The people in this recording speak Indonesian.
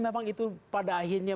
memang itu pada akhirnya